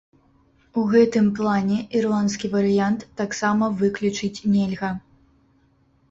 У гэтым плане ірландскі варыянт таксама выключыць нельга.